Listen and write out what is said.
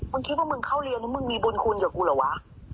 คิดว่ามึงเข้าเรียนแล้วมึงมีบุญคุณกับกูเหรอวะ